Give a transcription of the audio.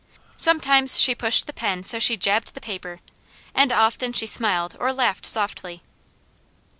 Sometimes she pushed the pen so she jabbed the paper, and often she smiled or laughed softly.